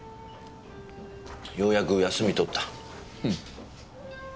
ようやく休み取った。